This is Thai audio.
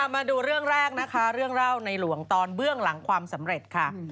มาดูเรื่องแรกนะคะเรื่องเล่าในหลวงตอนเบื้องหลังความสำเร็จค่ะ